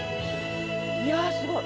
いやすごい。